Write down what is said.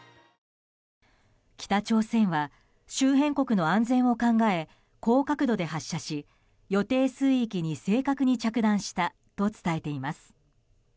北朝鮮は周辺国の安全を考え高角度で発射し予定水域に正確に着弾したと伝えています。